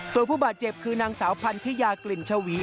ตัวผู้บาดเจ็บคือนางสาวพันธุ์ที่ยากลิ่นเฉวี